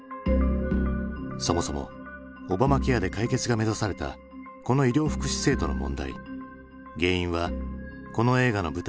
そもそもオバマケアで解決が目指されたこの医療福祉制度の問題原因はこの映画の舞台